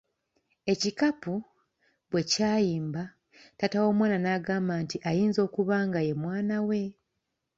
Ekikapu bwe kyayimba, taata w’omwana nagamba nti ayinza okuba nga ye mwana we.